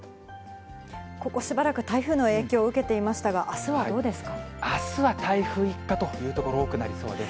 ここしばらく台風の影響を受けていましたが、あすは台風一過という所、多くなりそうです。